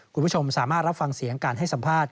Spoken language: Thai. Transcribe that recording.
คุณผู้ชมสามารถรับฟังเสียงการให้สัมภาษณ